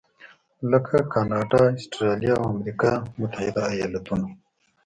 لکه کاناډا، اسټرالیا او امریکا متحده ایالتونو.